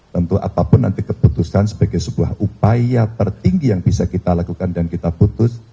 tentu apapun nanti keputusan sebagai sebuah upaya tertinggi yang bisa kita lakukan dan kita putus